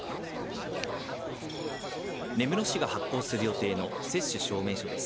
根室市が発行する予定の接種証明書です。